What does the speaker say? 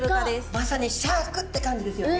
まさにシャークって感じですよね。